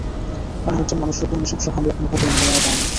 এমন একজন মানুষের ওপর নৃশংস হামলা কোনোভাবেই মেনে নেওয়া যায় না।